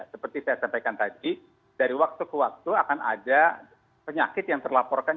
seperti saya sampaikan tadi dari waktu ke waktu akan ada penyakit yang terlaporkan